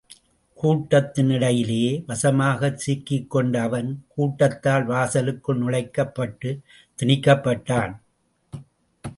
கூட்டத்தின் இடையிலே வசமாக சிக்கிக் கொண்ட அவன் கூட்டத்தால் வாசலுக்குள் நுழைக்கப் பட்டு, திணிக்கப்பட்டான்.